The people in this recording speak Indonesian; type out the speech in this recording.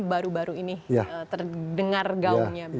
baru baru ini terdengar gaungnya